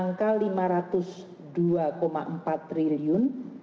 angka rp lima ratus dua empat triliun